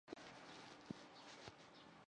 这次地震也称为奥尻岛地震。